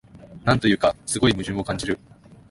なんというか、すごい矛盾を感じる